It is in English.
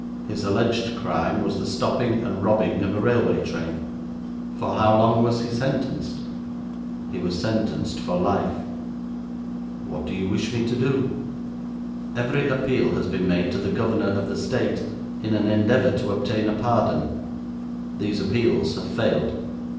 'His alleged crime was the stopping, and robbing, of a railway train.' 'For how long was he sentenced?' 'He was sentenced for life.' 'What do you wish me to do?' 'Every appeal has been made to the governor of the State in an endeavour to obtain a pardon. These appeals have failed.